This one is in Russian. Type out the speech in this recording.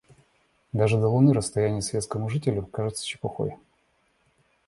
Даже до луны расстояние советскому жителю кажется чепухой.